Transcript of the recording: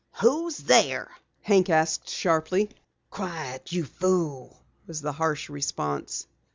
"Who's there?" Hank called sharply. "Quiet, you fool!" was the harsh response.